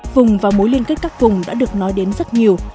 vùng và mối liên kết các vùng đã được nói đến rất nhiều